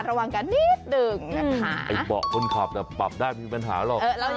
ทางที่ดีคือปรับเบาะก่อนอันนี้ถูกแล้ว